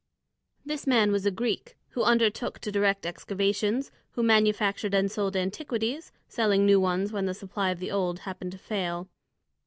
This man was a Greek who undertook to direct excavations, who manufactured and sold antiquities, selling new ones when the supply of the old happened to fail.